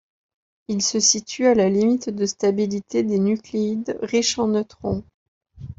Il se situe à la limite de stabilité des nucléides riches en neutrons.